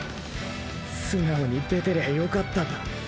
素直に出てりゃよかったんだ。